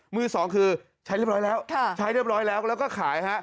มือสองคือใช้เรียบร้อยแล้วใช้เรียบร้อยแล้วแล้วก็ขายฮะ